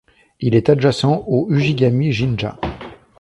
Il est adjacent au Ujigami-jinja.